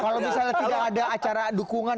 kalau misalnya tidak ada acara dukungan